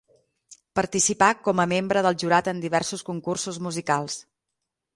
Participà com a membre del jurat en diversos concursos musicals.